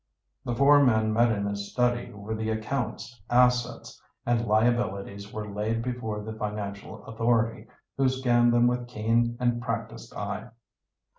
The four men met in his study, where the accounts, assets, and liabilities were laid before the financial authority, who scanned them with keen and practised eye.